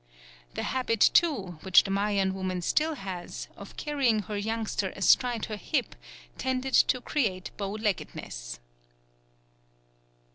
The habit, too, which the Mayan woman still has of carrying her youngster astride her hip tended to create bow leggedness.